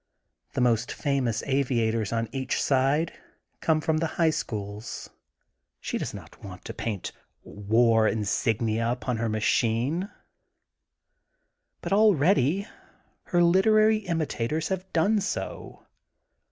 The most famous aviators on each side come from the High Schools* She does not want to paint war insignia upon her machine. But already her literary imita tors have done so.